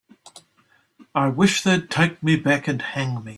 I wish they'd take me back and hang me.